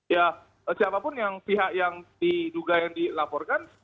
ya siapapun yang pihak yang diduga yang dilaporkan